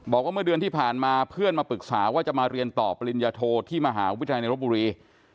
บอกว่าเมื่อเดือนที่ผ่านมาเพื่อนมาปรึกษาว่าจะมาเรียนต่อปริญญาโทที่มหาวิทยาลัยในรบบุรี